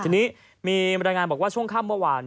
ทีนี้มีบรรยายงานบอกว่าช่วงค่ำเมื่อวาน